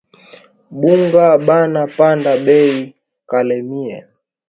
Bunga buna panda beyi kalemie